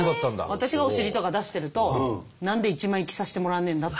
私がお尻とか出してると「何で一枚着さしてもらわねえんだ」って。